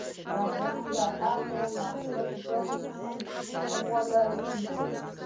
بدرنګه عقل خپل ځان هم غولوي